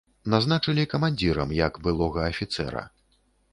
Назначылі камандзірам, як былога афіцэра.